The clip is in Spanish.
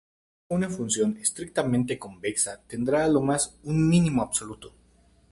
Una función "estrictamente" convexa tendrá a lo más un mínimo absoluto.